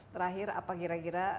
terakhir apa kira kira